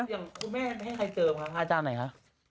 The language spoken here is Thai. คุณแม่ให้ใครเจอมคะพาอาจารย์ไหนคะ